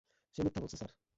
সে মিথ্যা বলছে, স্যার।